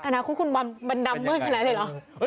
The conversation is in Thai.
นะคุณบำมันดำเมืองขนาดนี้หรือ